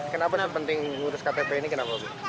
kenapa penting urus ktp ini kenapa